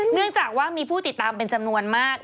เนื่องจากว่ามีผู้ติดตามเป็นจำนวนมาก